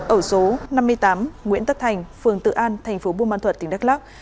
ở số năm mươi tám nguyễn tất thành phường tự an tp bùa măn thuật tỉnh đắk lắk